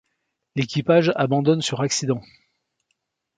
L'équipage abandonne sur accident.